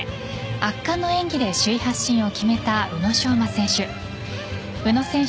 圧巻の演技で首位発進を決めた宇野昌磨選手。